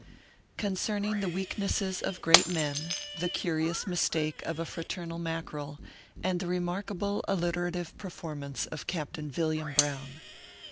CONCERNING THE WEAKNESSES OF GREAT MEN, THE CURIOUS MISTAKE OF A FRATERNAL MACKEREL, AND THE REMARKABLE ALLITERATIVE PERFORMANCE OF CAPTAIN VILLIAM BROWN.